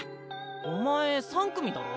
お前３組だろ？